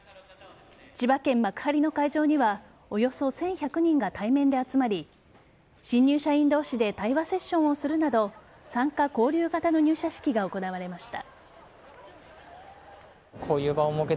千葉県幕張の会場にはおよそ１１００人が対面で集まり新入社員同士で対話セッションをするなど参加・交流型の入社式が行われました。